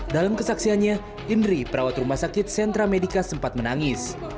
dalam kesaksiannya indri perawat rumah sakit sentra medica sempat menangis